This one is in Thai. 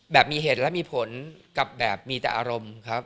แบบมีเหตุและมีผลกับแบบมีแต่อารมณ์ครับ